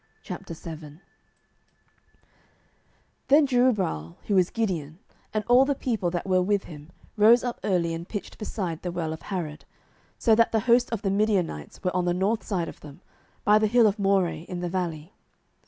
07:007:001 Then Jerubbaal, who is Gideon, and all the people that were with him, rose up early, and pitched beside the well of Harod: so that the host of the Midianites were on the north side of them, by the hill of Moreh, in the valley.